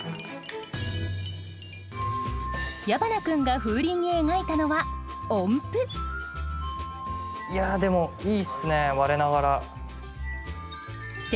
矢花君が風鈴に描いたのは音符いやでもいいっすね我ながら。